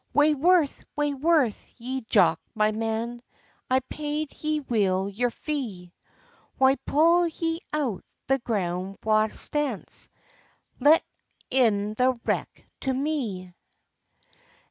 "Wae worth, wae worth ye, Jock, my man, I paid ye weel your fee; Why pull ye out the grund wa' stance, Lets in the reek to me?